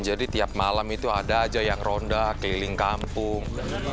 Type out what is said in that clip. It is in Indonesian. jadi tiap malam itu ada aja yang ronda keliling kampung